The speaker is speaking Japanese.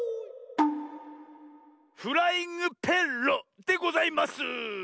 「フライングペッロ」でございます！